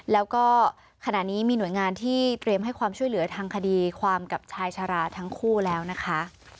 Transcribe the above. แล้วก็ขณะนี้มีหน่วยงานที่เตรียมให้ความช่วยเหลือทางคดีความกับชายชาราทั้งคู่แล้วนะคะ